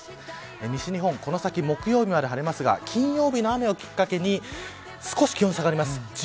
西日本、この先木曜日まで晴れますが金曜日の雨をきっかけに少し気温が下がります。